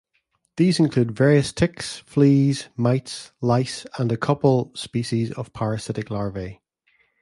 These include various ticks, fleas, mites, lice, and a couple species of parasitic larvae.